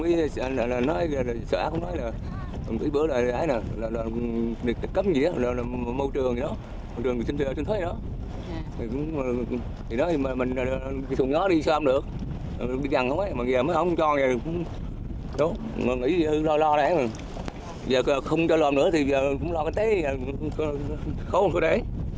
thì nói mình xung nhớ đi sao không được bị chẳng không ấy mà giờ mới không cho rồi người nghĩ lo lắng rồi giờ không cho lo nữa thì giờ cũng lo cái tế khô không có để